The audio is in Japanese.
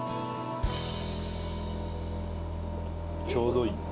ちょうどいい。